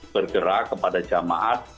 bergerak kepada jamaah